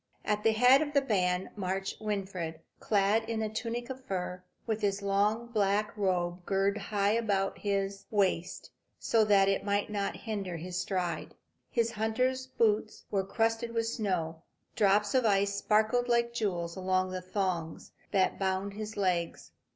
At the head of the band marched Winfried, clad in a tunic of fur, with his long black robe girt high about his waist, so that it might not hinder his stride. His hunter's boots were crusted with snow. Drops of ice sparkled like jewels along the thongs that bound his legs.